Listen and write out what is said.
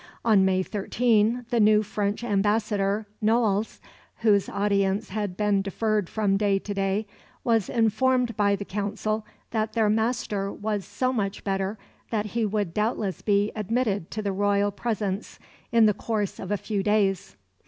On May 13 the new French ambassador, Noailles, whose audience had been deferred from day to day, was informed by the Council that their master was so much better that he would doubtless be admitted to the royal presence in the course of a few days.